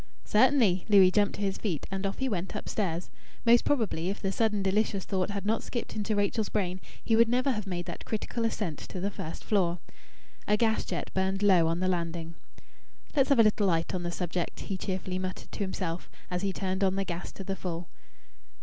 "Certainly!" Louis jumped to his feet, and off he went upstairs. Most probably, if the sudden delicious thought had not skipped into Rachel's brain, he would never have made that critical ascent to the first floor. A gas jet burned low on the landing. "Let's have a little light on the subject," he cheerfully muttered to himself, as he turned on the gas to the full.